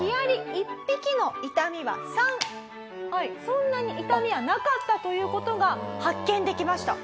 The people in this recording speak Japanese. そんなに痛みはなかったという事が発見できました。